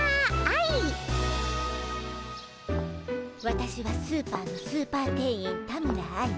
私はスーパーのスーパー店員田村愛。